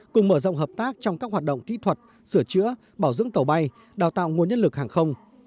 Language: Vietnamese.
cùng mở rộng hợp tác trong các hoạt động kỹ thuật sửa chữa bảo dưỡng tàu bay đào tạo nguồn nhân lực hàng không